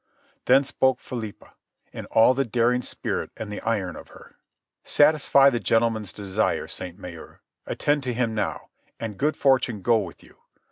Then spoke Philippa, in all the daring spirit and the iron of her. "Satisfy the gentleman's desire, Sainte Maure. Attend to him now. And good fortune go with you."